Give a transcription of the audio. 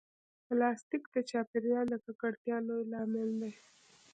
پلاستيک د چاپېریال د ککړتیا لوی لامل دی.